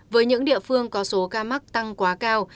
với những địa phương có số ca mắc tăng quá cao